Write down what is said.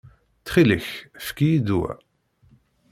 Ttxil-k, efk-iyi-d wa.